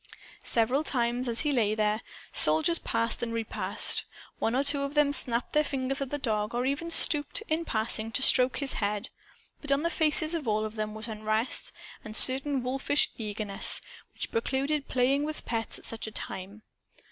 Several times, as he lay there, soldiers passed and repassed. One or two of them snapped their fingers at the dog or even stooped, in passing, to stroke his head. But on the faces of all of them was unrest and a certain wolfish eagerness, which precluded playing with pets at such a time.